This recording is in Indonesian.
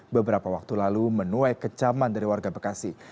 beberapa waktu lalu menuai kecaman dari warga bekasi